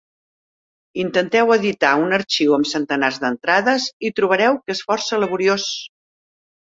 Intenteu editar un arxiu amb centenars d'entrades, i trobareu que és força laboriós.